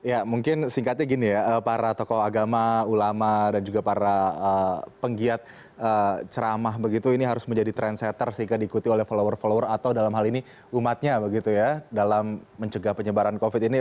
ya mungkin singkatnya gini ya para tokoh agama ulama dan juga para penggiat ceramah begitu ini harus menjadi trendsetter sehingga diikuti oleh follower follower atau dalam hal ini umatnya begitu ya dalam mencegah penyebaran covid ini